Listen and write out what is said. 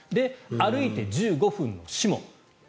歩いて１５分の志茂。